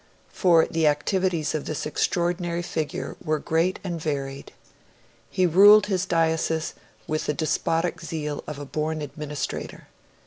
For the activities of this extraordinary figure were great and varied. He ruled his diocese with the despotic zeal of a born administrator.